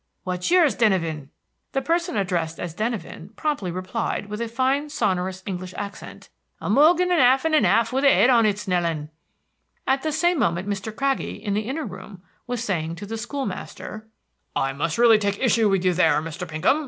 What's yours, Denyven?" The person addressed as Denyven promptly replied, with a fine sonorous English accent, "a mug of 'alf an' 'alf, with a head on it, Snelling." At the same moment Mr. Craggie, in the inner room was saying to the school master, "I must really take issue with you there, Mr. Pinkham.